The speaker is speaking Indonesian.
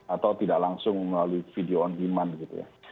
atau tidak langsung melalui video on demand gitu ya